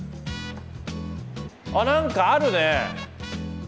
あっ何かあるね！